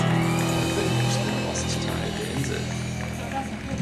Er bildet den Ostteil der Insel.